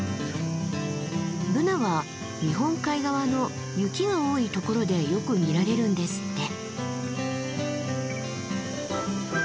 ブナは日本海側の雪が多いところでよく見られるんですって。